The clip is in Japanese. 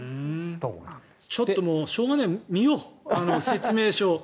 ちょっともうしょうがない見よう、説明書を。